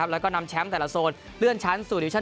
แล้วก็นำแชมป์แต่ละโซนเลื่อนชั้น